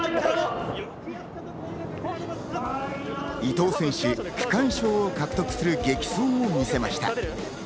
伊藤選手、間賞を獲得する激走を見せました。